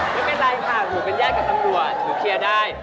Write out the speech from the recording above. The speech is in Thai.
ไม่เป็นไรค่ะหนูเป็นญาติกับตำรวจหนูเคลียร์ได้